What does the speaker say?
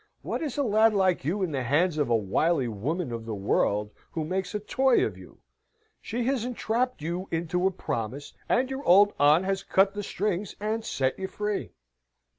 What is a lad like you in the hands of a wily woman of the world, who makes a toy of you? She has entrapped you into a promise, and your old aunt has cut the strings and set you free.